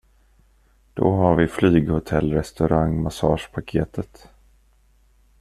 Då har vi flyghotellrestaurangmassagepaketet.